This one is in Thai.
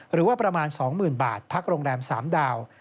หรือว่าประมาณ๒๐๐๐บาทพักโรงแรม๓ดาว